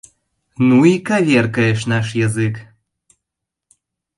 — Ну и коверкаешь наш язык!..